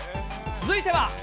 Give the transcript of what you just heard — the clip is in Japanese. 続いては。